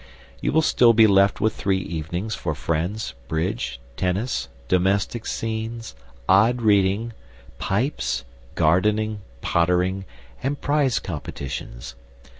You will still be left with three evenings for friends, bridge, tennis, domestic scenes, odd reading, pipes, gardening, pottering, and prize competitions.